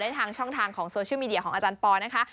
ทางช่องทางของโซเชียลมีเดียของอาจารย์ปอลนะคะ